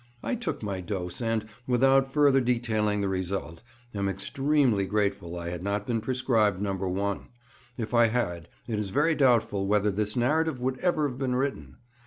I took my dose, and, without further detailing the result, am extremely grateful I had not been prescribed No. 1. If I had, it is very doubtful whether this narrative would ever have been written.